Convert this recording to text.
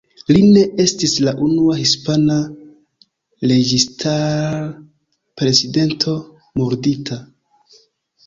Li ne estis la unua hispana registar-prezidento murdita.